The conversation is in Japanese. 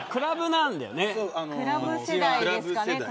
こっちはクラブ世代ですかね。